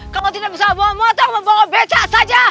kalau tidak bisa bawa motor bawa becak saja